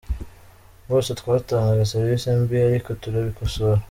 Rwose twatangaga serivisi mbi ariko turabikosora.